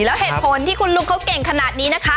แล้วเหตุผลที่คุณลุงเขาเก่งขนาดนี้นะคะ